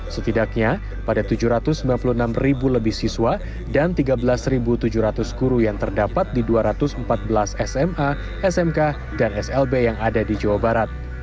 setidaknya pada tujuh ratus sembilan puluh enam lebih siswa dan tiga belas tujuh ratus guru yang terdapat di dua ratus empat belas sma smk dan slb yang ada di jawa barat